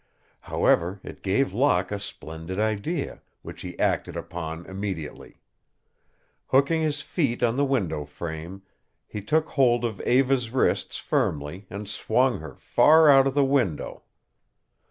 However, it gave Locke a splendid idea, which he acted upon immediately. Hooking his feet on the window frame, he took hold of Eva's wrists firmly and swung her far out of the window.